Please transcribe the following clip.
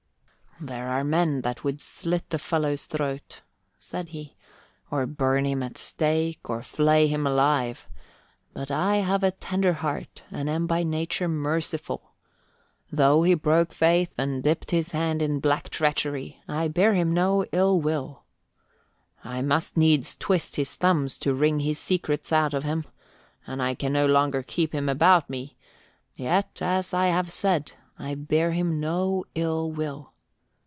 "There are men that would slit the fellow's throat," he said, "or burn him at stake, or flay him alive; but I have a tender heart and am by nature merciful. Though he broke faith and dipped his hands in black treachery, I bear him no ill will. I must needs twist his thumbs to wring his secrets out of him and I can no longer keep him about me; yet, as I have said, I bear him no ill will.